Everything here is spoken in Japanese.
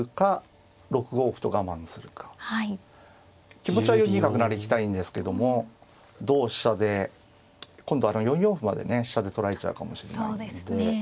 気持ちは４二角成行きたいんですけども同飛車で今度４四歩までね飛車で取られちゃうかもしれないんで。